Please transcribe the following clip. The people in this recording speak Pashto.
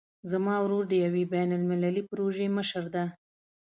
زما ورور د یوې بین المللي پروژې مشر ده